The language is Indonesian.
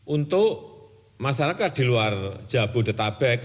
untuk masyarakat di luar jabodetabek